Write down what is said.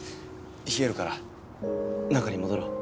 冷えるから中に戻ろう。